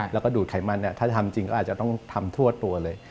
แล้วก็ดูดไขมันถ้าทำจริงก็อาจจะต้องทำทั่วตัวเลย